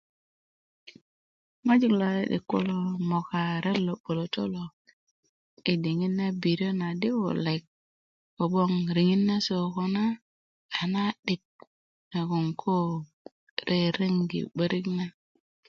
ŋojik lo 'didik kulo moka ret lo 'bulötö lo i 'diŋit na 'birá na di wulek ko gboŋ riŋit na seko koko na a na 'dit nagoŋ ko rereŋgi 'barik na